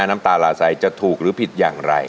น้ำตาลาใสจะถูกหรือผิดอย่างไร